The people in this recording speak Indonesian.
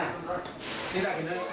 itu dikira bapaknya